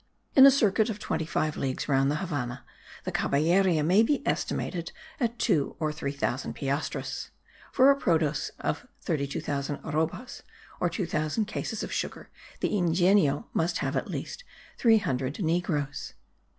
In a circuit of twenty five leagues round the Havannah the caballeria may be estimated at two or three thousand piastres. For a produce* of 32,000 arrobas (or 2000 cases of sugar) the yngenio must have at least three hundred negroes.